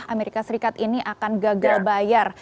amerika serikat ini akan gagal bayar